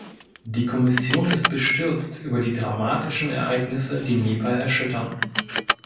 Die Kommission ist bestürzt über die dramatischen Ereignisse, die Nepal erschüttern.